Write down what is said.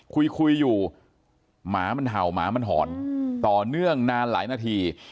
คุยอยู่หมามันเห่าหมามันหอนต่อเนื่องนานหลายนาที